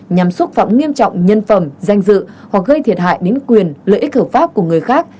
nhằm xúc phạm nghiêm trọng nhân phẩm danh dự hoặc gây thiệt hại đến quyền lợi ích hợp pháp của người khác